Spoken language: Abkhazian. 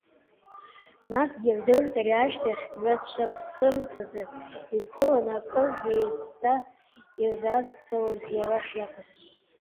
Насгьы ирдырт ари ашьҭахь, рыцәаԥсымҭазы иқәыланы акыр еизца ирзаазцалоз иара шиакәыз.